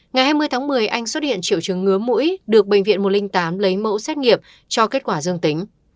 ngày hai mươi tháng một mươi anh xuất hiện triệu chứng ngứa mũi được bệnh viện một trăm linh tám lấy mẫu xét nghiệm cho kết quả dương tính